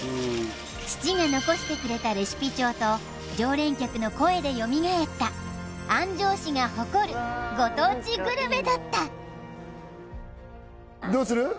父が残してくれたレシピ帳と常連客の声でよみがえった安城市が誇るご当地グルメだったどうする？